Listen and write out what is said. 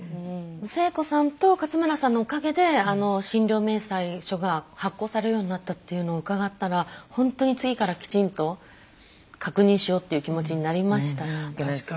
星子さんと勝村さんのおかげで診療明細書が発行されるようになったっていうのを伺ったらほんとに次からきちんと確認しようっていう気持ちになりました何か。